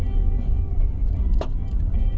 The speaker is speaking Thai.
ตอนนี้ก็เปลี่ยนแบบนี้แหละ